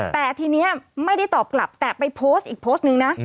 แต่ทีนี้ไม่ได้ตอบกลับแต่ไปโพสต์อีกโพสต์นึงนะ